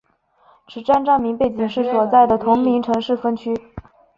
此站站名背景是所在的同名城市分区。